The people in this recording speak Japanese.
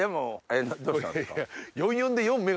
どうしたんですか？